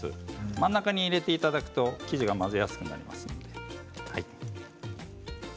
真ん中に入れていただくと生地が混ぜやすくなります。